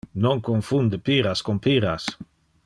Non confunde piras con pyras!